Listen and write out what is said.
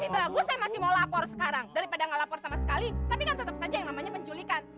ini bagus saya masih mau lapor sekarang daripada nggak lapor sama sekali tapi kan tetap saja yang namanya penculikan